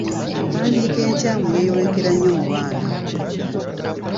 Empandiika enkyamu yeeyolekera nnyo mu baana.